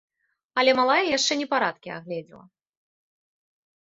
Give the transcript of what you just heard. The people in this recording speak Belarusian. Але малая яшчэ непарадкі агледзела.